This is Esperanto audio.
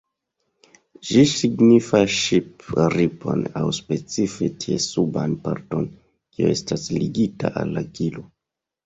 Ĝi signifas ŝip-ripon aŭ specife ties suban parton, kiu estas ligita al la kilo.